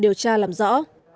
điều tra làm rõ